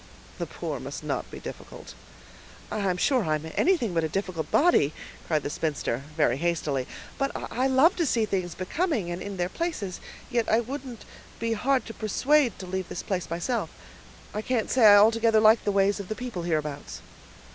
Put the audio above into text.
"The poor must not be difficult." "I'm sure I'm anything but a difficult body," cried the spinster, very hastily; "but I love to see things becoming, and in their places; yet I wouldn't be hard to persuade to leave this place myself. I can't say I altogether like the ways of the people hereabouts."